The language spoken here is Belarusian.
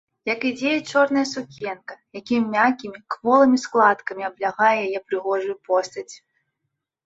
Як ідзе ёй чорная сукенка, якімі мяккімі, кволымі складкамі аблягае яе прыгожую постаць!